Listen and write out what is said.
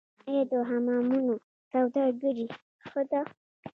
آیا د حمامونو سوداګري ښه ده؟